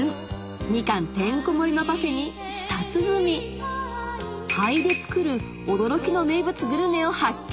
みかんてんこ盛りのパフェに舌鼓灰で作る驚きの名物グルメを発見